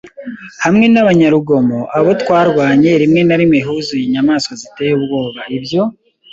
hamwe nabanyarugomo, abo twarwanye, rimwe na rimwe huzuye inyamaswa ziteye ubwoba ibyo